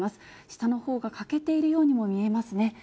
下のほうが欠けているようにも見えますね。